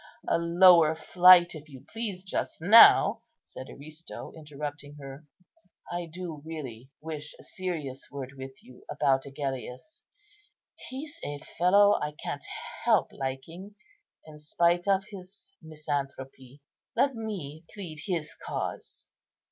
"A lower flight, if you please, just now," said Aristo, interrupting her. "I do really wish a serious word with you about Agellius. He's a fellow I can't help liking, in spite of his misanthropy. Let me plead his cause.